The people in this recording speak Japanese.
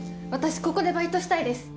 ここでバイトしたいです